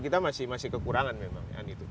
kita masih kekurangan memang